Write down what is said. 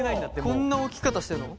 こんな置き方してるの？